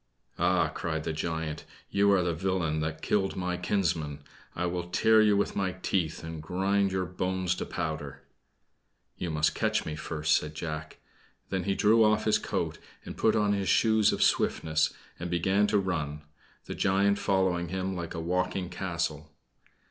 "Ah!" cried the giant; "you are the villain that killed my kinsmen! I will tear you with my teeth, and grind your bones to powder!" "You must catch me first!" said Jack. Then he threw off his coat and put on his shoes of swiftness, and began to run, the giant following him like a walking castle.